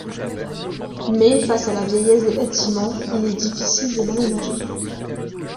Mais face à la vieillesse des bâtiments, il est difficile de l'aménager.